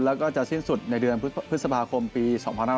แล้วก็จะสิ้นสุดในเดือนพฤษภาคมปี๒๕๖๒